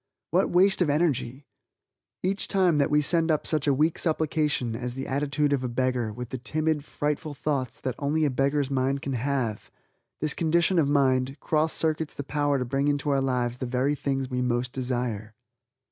What waste of energy. Each time that we send up such a weak supplication as the attitude of a beggar, with the timid, frightful thoughts that only a beggar's mind can have this condition of mind, cross circuits the power to bring into our lives the very things we most desire.